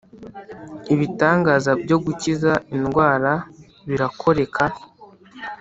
Ibitangaza byo gukiza indwara birakoreka